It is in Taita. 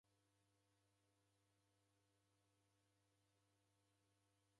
Kwaki kwachura kuchumba?